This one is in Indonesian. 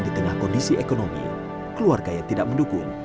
di tengah kondisi ekonomi keluarga yang tidak mendukung